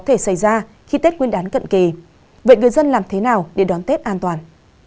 có thể xảy ra khi tết nguyên đán cận kỳ vậy người dân làm thế nào để đón tết an toàn